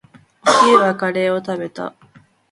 お昼はカレーを食べた。